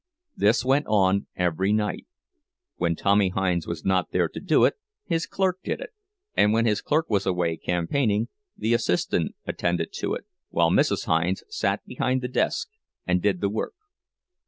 This went on every night—when Tommy Hinds was not there to do it, his clerk did it; and when his clerk was away campaigning, the assistant attended to it, while Mrs. Hinds sat behind the desk and did the work.